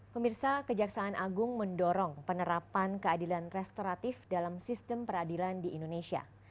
pemirsa kejaksaan agung mendorong penerapan keadilan restoratif dalam sistem peradilan di indonesia